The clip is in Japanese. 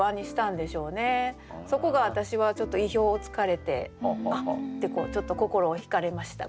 そこが私はちょっと意表をつかれて「あっ」ってちょっと心を引かれました。